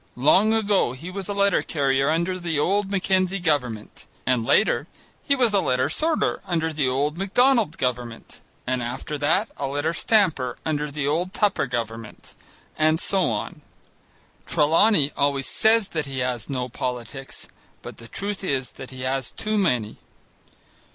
Long ago he was a letter carrier under the old Mackenzie Government, and later he was a letter sorter under the old Macdonald Government, and after that a letter stamper under the old Tupper Government, and so on. Trelawney always says that he has no politics, but the truth is that he has too many.